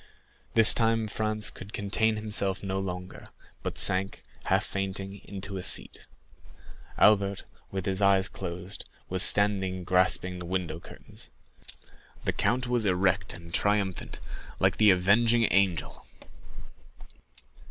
This time Franz could contain himself no longer, but sank, half fainting, into a seat. Albert, with his eyes closed, was standing grasping the window curtains. The count was erect and triumphant, like the Avenging Angel!